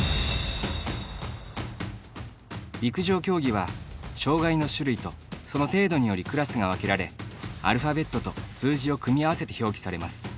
陸上競技は、障がいの種類とその程度によりクラスが分けられアルファベットと数字を組み合わせて表記されます。